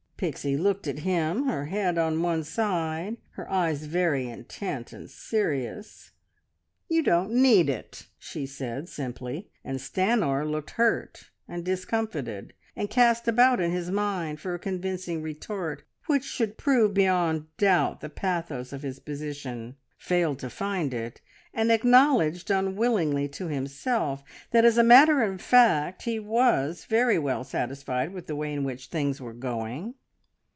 Pixie looked at him, her head on one side, her eyes very intent and serious. "You don't need it," she said simply, and Stanor looked hurt and discomfited, and cast about in his mind for a convincing retort which should prove beyond doubt the pathos of his position, failed to find it, and acknowledged unwillingly to himself that as a matter of fact he was very well satisfied with the way in which things were going.